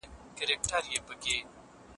د زړونو پاکوالی د کرکې کمښت رامنځته کوي.